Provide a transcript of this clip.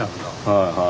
はいはい。